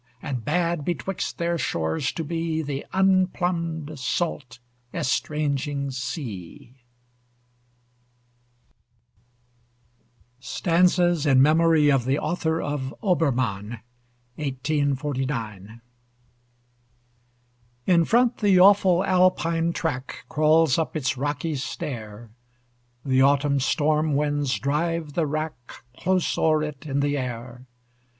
And bade betwixt their shores to be The unplumbed, salt, estranging sea STANZAS IN MEMORY OF THE AUTHOR OF 'OBERMANN' (1849) In front the awful Alpine track Crawls up its rocky stair; The autumn storm winds drive the rack, Close o'er it, in the air.